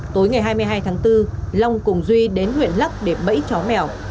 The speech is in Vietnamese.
tối ngày hai mươi hai tháng bốn long cùng duy đến huyện lắc để bẫy chó mèo